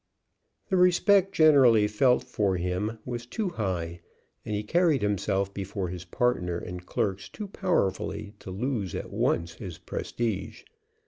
The respect generally felt for him was too high; and he carried himself before his partner and clerks too powerfully to lose at once his prestige.